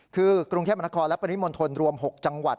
คือกรุงเทพมนครและปริมณฑลรวม๖จังหวัด